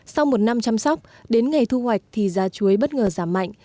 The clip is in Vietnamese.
sau một năm chăm sóc đến ngày thu hoạch thì giá chuối bất ngờ giảm mạnh